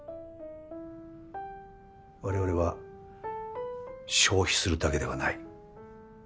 われわれは消費するだけではない。